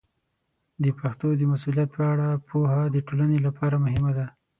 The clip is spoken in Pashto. د پښتو د مسوولیت په اړه پوهه د ټولنې لپاره مهمه ده.